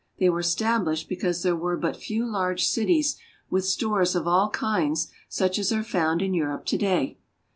They were established because there were but few large cities with stores of all kinds such as are found in Europe to day.